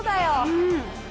うん！